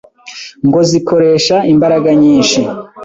ngo zikoresha imbaraga nyinshi